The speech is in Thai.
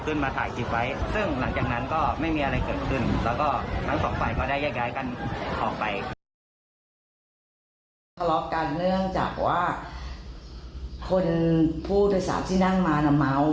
ผู้ชายเสื้อขาวใช่ไหม